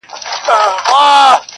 • بدكارمو كړی چي وركړي مو هغو ته زړونه.